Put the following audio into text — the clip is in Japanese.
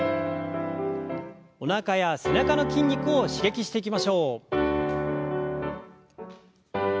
おなかや背中の筋肉を刺激していきましょう。